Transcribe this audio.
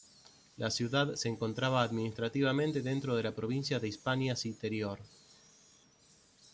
La ciudad se encontraba administrativamente dentro de la provincia de Hispania Citerior.